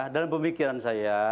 dalam pemikiran saya